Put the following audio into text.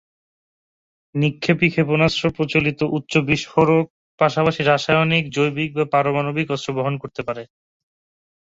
নিক্ষেপী ক্ষেপণাস্ত্র প্রচলিত উচ্চ বিস্ফোরক পাশাপাশি রাসায়নিক, জৈবিক বা পারমাণবিক অস্ত্র বহন করতে পারে।